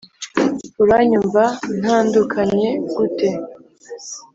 uranyumva ntandukanye gute